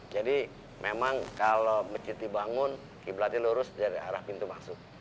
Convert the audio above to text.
jadi memang kalau mencinti bangun kiblatnya lurus dari arah pintu masuk